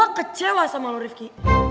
gue kecewa sama lo rifki